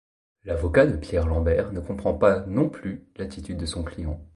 L'avocat de Pierre Lambert ne comprend pas, non plus, l'attitude de son client.